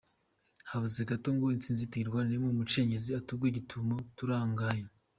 Habuze gato ngo intsinzi tuyirwaniremo umucengezi atugwe gitumo turangaye.